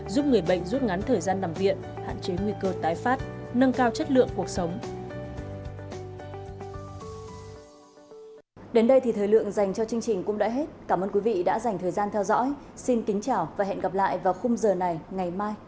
giúp người bệnh rút ngắn thời gian nằm viện hạn chế nguy cơ tái phát nâng cao chất lượng cuộc sống